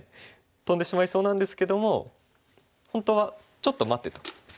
トンでしまいそうなんですけども本当は「ちょっと待て」と。